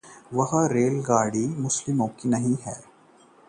वह रेलगाड़ी कितनी तेज़ जा रही है?